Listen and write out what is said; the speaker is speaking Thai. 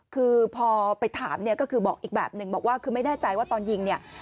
คือพอไปถามเนี่ยก็คือบอกอีกแบบหนึ่งบอกว่าคือไม่แน่ใจว่าตอนยิงเนี่ย